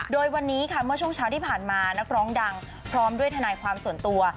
โดยวันนี้ค่ะเมื่อช่วงเช้าที่ผ่านมานักร้องดังพร้อมด้วยทนายความส่วนตัว